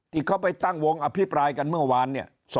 ที่เขาไปตั้งวงอภิปรายกันเมื่อวานเนี่ย